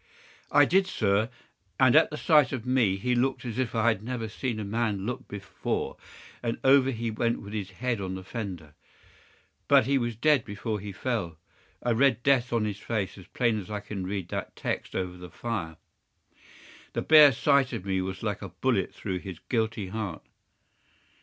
"I did, sir, and at the sight of me he looked as I have never seen a man look before, and over he went with his head on the fender. But he was dead before he fell. I read death on his face as plain as I can read that text over the fire. The bare sight of me was like a bullet through his guilty heart."